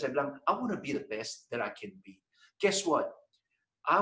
saya berkata saya ingin menjadi yang terbaik yang bisa saya jadi